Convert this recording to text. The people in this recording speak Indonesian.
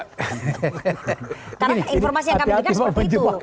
karena informasi yang kami berikan seperti itu